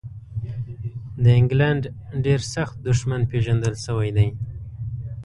د انګلینډ ډېر سخت دښمن پېژندل شوی دی.